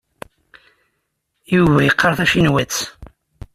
Yuba yeqqar tacinwat.